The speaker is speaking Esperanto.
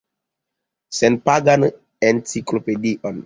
Senpagan enciklopedion.